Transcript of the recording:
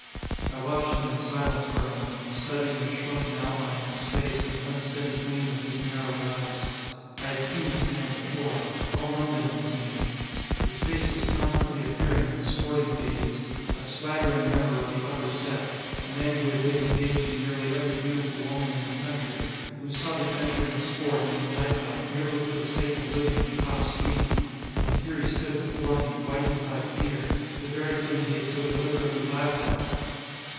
I watched him in silence for a moment, studying the shrunken outline of his face and the unsteady gleam of his narrowed eyes. I had seen this man before. All London had seen him. His face was constantly appearing in the sporting pages, a swaggering member of the upper set a man who had been engaged to nearly every beautiful woman in the country who sought adventure in sport and in night life, merely for the sake of living at top speed. And here he stood before me, whitened by fear, the very thing he had so deliberately laughed at!